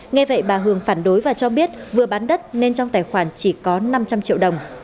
nghe vậy bà hường phản đối và cho biết vừa bán đất nên trong tài khoản chỉ có năm trăm linh triệu đồng